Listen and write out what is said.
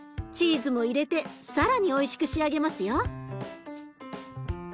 チーズも入れて更においしく仕上げますよ。